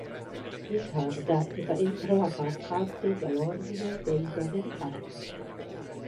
In tarda età entrò a far parte dell'ordine dei Domenicani.